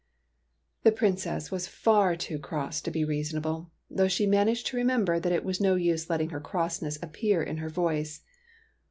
The Princess was far too cross to be reason able, though she managed to remember that it was no use letting her crossness appear in her voice.